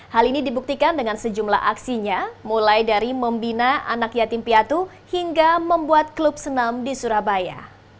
hal ini dibuktikan dengan sejumlah aksinya mulai dari membina anak yatim piatu hingga membuat klub senam di surabaya